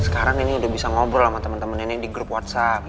sekarang ini udah bisa ngobrol sama temen temen nenek di grup whatsapp